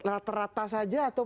rata rata saja atau